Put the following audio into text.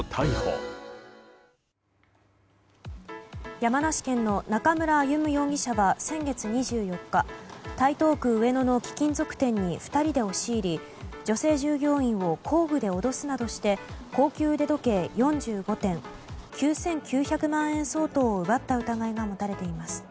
山梨県の中村歩武容疑者は先月２４日台東区上野の貴金属店に２人で押し入り女性従業員を工具で脅すなどして高級腕時計４５点９９００万円相当を奪った疑いが持たれています。